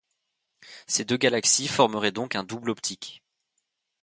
Ces deux galaxies formeraient donc un double optique.